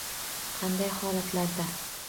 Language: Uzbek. Qanday holatlarda?